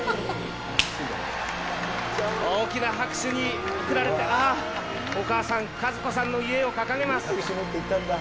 大きな拍手に送られて、ああ、お母さん、かず子さんの遺影を掲げます。